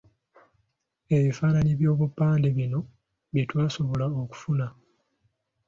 Ebifaananyi by'obupande bino bye twasobola okufuna.